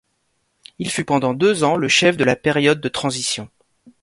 Il fut pendant deux ans, le chef de la période de transition.